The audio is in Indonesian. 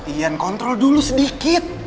ian kontrol dulu sedikit